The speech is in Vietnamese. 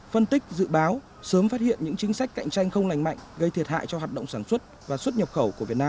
phân tích dự báo sớm phát hiện những chính sách cạnh tranh không lành mạnh gây thiệt hại cho hoạt động sản xuất và xuất nhập khẩu của việt nam